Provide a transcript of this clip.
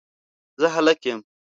زه هلک یم